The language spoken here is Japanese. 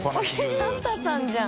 サンタさんじゃん。